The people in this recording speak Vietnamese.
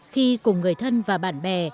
khi cùng người thân và bạn bè